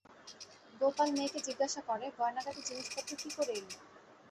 গোপাল মেয়েকে জিজ্ঞাসা করে, গয়নাগাটি জিনিসপত্র কী করে এলি?